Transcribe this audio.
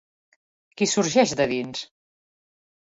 Qui sorgeix de dins?